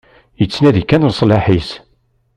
Yettnadi kan leṣlaḥ-is.